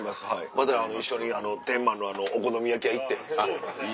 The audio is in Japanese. まだ一緒に天満のお好み焼き屋行ってへん。